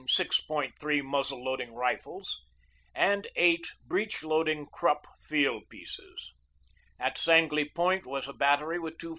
3 muzzle loading rifles; and eight breech loading Krupp field pieces. At Sangley Point was a battery with two 5.